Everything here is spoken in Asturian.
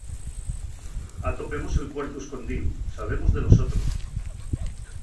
Atopemos el cuartu escondíu, sabemos de los otros.